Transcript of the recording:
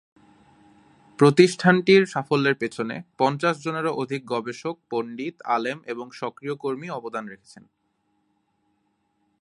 প্রতিষ্ঠানটির সাফল্যের পেছনে পঞ্চাশ জনেরও অধিক গবেষক পণ্ডিত, আলেম এবং সক্রিয় কর্মী অবদান রেখেছেন।